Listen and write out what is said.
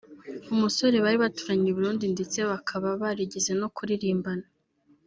umusore bari baturanye i Burundi ndetse bakaba barigeze no kuririmbana